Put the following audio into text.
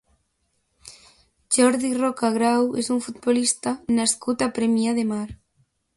Jordi Roca Grau és un futbolista nascut a Premià de Mar.